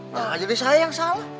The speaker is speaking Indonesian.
nah jadi saya yang salah